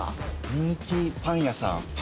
人気パン屋さん。